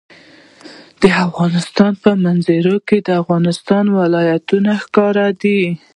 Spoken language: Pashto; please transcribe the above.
د افغانستان په منظره کې د افغانستان ولايتونه ښکاره ده.